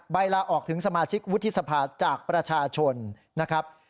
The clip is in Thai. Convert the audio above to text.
ลาออกถึงสมาชิกวุฒิสภาจากประชาชนนะครับ